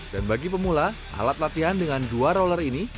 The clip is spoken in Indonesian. dan bagi pemula alat latihan dengan dua roller ini